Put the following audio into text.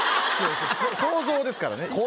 想像ですからね。